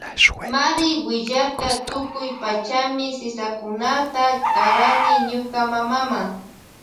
Mari willarka tukuy pachami sisakunata karani ñuka mamama.